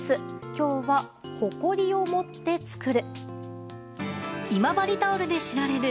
今日は、ほこりをもって作る。